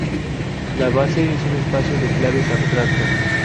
La base es un espacio de claves abstracto.